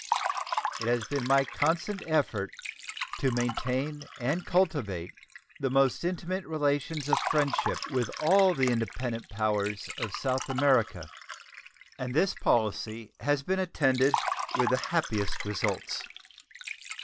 It has been my constant effort to maintain and cultivate the most intimate relations of friendship with all the independent powers of South America, and this policy has been attended with the happiest results.